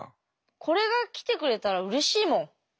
これが来てくれたらうれしいもん。